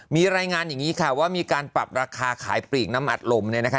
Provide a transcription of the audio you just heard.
มีรายงานอย่างนี้ค่ะว่ามีการปรับราคาขายปลีกน้ำอัดลมเนี่ยนะคะ